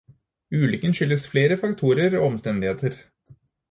Ulykken skyldes flere faktorer og omstendigheter.